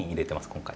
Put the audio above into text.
今回。